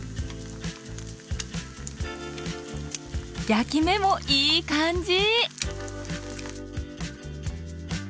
焼き目もいい感じ！